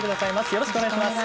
よろしくお願いします。